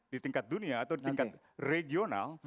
di tingkat dunia atau di tingkat regional